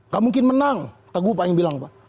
gak mungkin menang teguh pak yang bilang pak